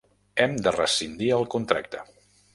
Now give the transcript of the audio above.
Hem de rescindir el contracte.